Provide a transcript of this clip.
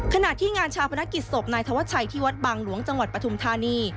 ขณะที่งานชาวพนักกิจศพนายธวัชชัยที่วัดบางหลวงจังหวัดปฐุมธานี